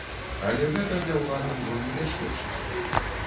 Але гэта для ўлады ўжо небяспечна.